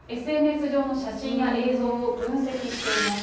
ＳＮＳ上の写真や映像を分析しています。